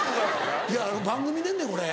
いやあの番組でんねんこれ。